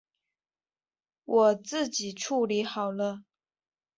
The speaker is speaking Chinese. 我自己处理好了